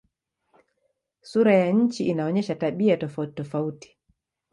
Sura ya nchi inaonyesha tabia tofautitofauti.